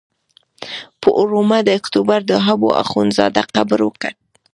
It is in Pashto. پر اوومه د اکتوبر د حبو اخندزاده قبر وکت.